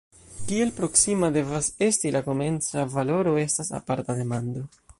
Kiel proksima devas esti la komenca valoro estas aparta demando.